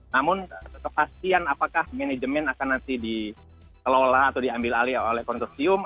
namun kepastian apakah manajemen akan nanti dikelola atau diambil alih oleh konsorsium